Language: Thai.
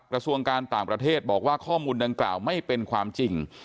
กระทรวงการต่างประเทศบอกว่าข้อมูลดังกล่าวไม่เป็นความจริง